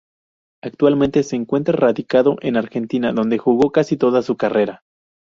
Actualmente se encuentra radicado en Argentina, donde jugó casi toda su carrera.